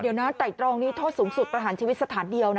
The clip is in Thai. เดี๋ยวนะไต่ตรองนี้โทษสูงสุดประหารชีวิตสถานเดียวนะ